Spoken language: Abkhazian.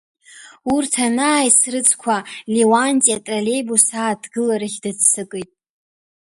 Урҭ анааицрыҵқәа, Леуанти атроллеибус ааҭгыларҭахь дыццакит.